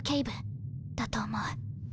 だと思う。